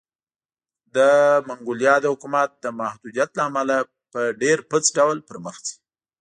د منګولیا د حکومت د محدودیت له امله په ډېرپڅ ډول پرمخ ځي.